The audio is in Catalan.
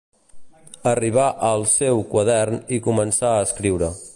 Arribar al seu quadern i començar a escriure.